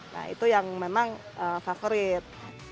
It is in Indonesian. nah itu yang memang favorit